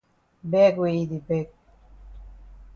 Beg wey yi di beg.